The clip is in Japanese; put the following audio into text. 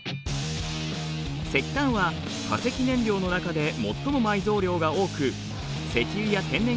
石炭は化石燃料の中で最も埋蔵量が多く石油や天然ガスに比べ